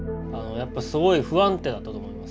やっぱすごい不安定だったと思います。